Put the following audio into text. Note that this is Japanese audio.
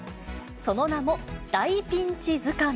その名も、大ピンチずかん。